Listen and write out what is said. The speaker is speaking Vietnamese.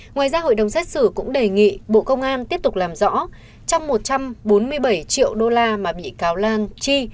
ngoài ra hội đồng xét xử cũng đề nghị bộ công an tiếp tục làm rõ trong một trăm bốn mươi bảy triệu đô la mà bị cáo lan chi